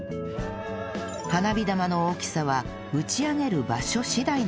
花火玉の大きさは打ち上げる場所次第なんだそう